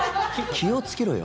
気をつけろよ。